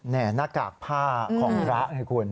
น่ากากผ้าของพระใช่ไหมคุณ